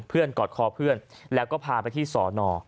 กอดคอเพื่อนแล้วก็พาไปที่สอนอ